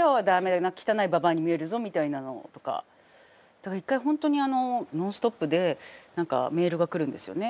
だから一回本当にあの「ノンストップ！」で何かメールが来るんですよね。